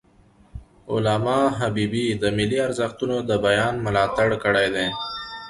علامه حبیبي د ملي ارزښتونو د بیان ملاتړ کړی دی.